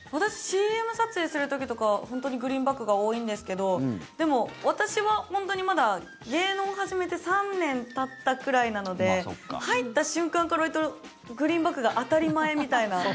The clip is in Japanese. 私ＣＭ撮影する時とかは本当にグリーンバックが多いんですけどでも、私は本当にまだ芸能を始めて３年たったくらいなので入った瞬間からわりとグリーンバックが当たり前みたいな。